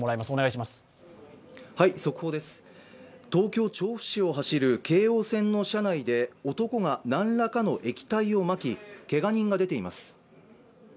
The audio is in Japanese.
速報です、東京・調布市を走る京王線の車内で男が何らかの液体をまき、けが人が出ています。